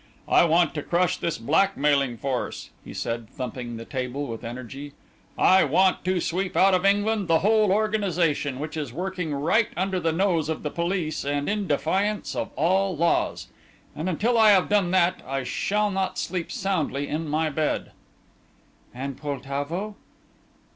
I want to crush this blackmailing force," he said, thumping the table with energy; "I want to sweep out of England the whole organization which is working right under the nose of the police and in defiance of all laws; and until I have done that, I shall not sleep soundly in my bed." "And Poltavo?"